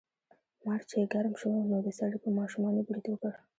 مار چې ګرم شو نو د سړي په ماشومانو یې برید وکړ.